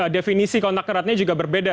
definisi kontak eratnya juga berbeda